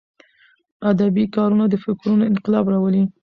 ادبي کارونه د فکرونو انقلاب راولي.